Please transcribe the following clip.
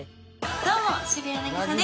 どうも渋谷凪咲です。